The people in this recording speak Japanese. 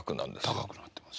高くなってます。